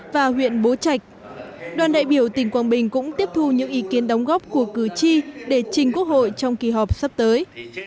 và huyện bố trạch đoàn đại biểu tỉnh quảng bình cũng tiếp thu những ý kiến đóng góp của cử tri để trình quốc hội trong kỳ họp sắp tới